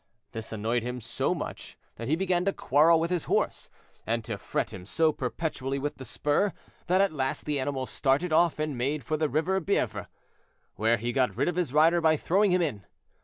This annoyed him so much that he began to quarrel with his horse, and to fret him so perpetually with the spur, that at last the animal started off and made for the river Bievre, where he got rid of his rider by throwing him in.